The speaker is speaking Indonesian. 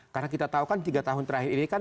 karena kita tahu kan tiga tahun terakhir ini kan